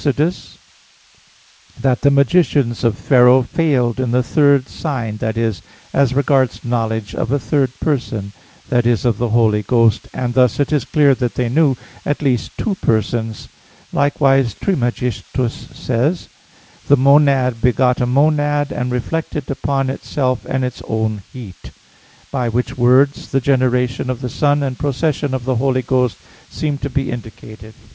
8 that the magicians of Pharaoh failed in the third sign that is, as regards knowledge of a third person i.e. of the Holy Ghost and thus it is clear that they knew at least two persons. Likewise Trismegistus says: "The monad begot a monad, and reflected upon itself its own heat." By which words the generation of the Son and procession of the Holy Ghost seem to be indicated.